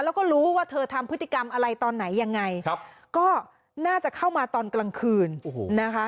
แล้วก็รู้ว่าเธอทำพฤติกรรมอะไรตอนไหนยังไงครับก็น่าจะเข้ามาตอนกลางคืนนะคะ